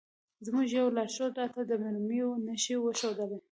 زموږ یوه لارښود راته د مرمیو نښې وښودلې.